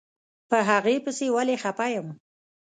په هغې پسې ولې خپه يم.